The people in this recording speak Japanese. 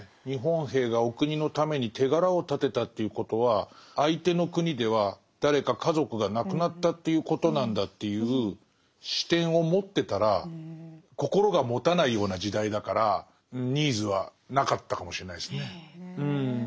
日本兵がお国のために手柄を立てたということは相手の国では誰か家族が亡くなったということなんだという視点を持ってたら心がもたないような時代だからニーズはなかったかもしれないですね。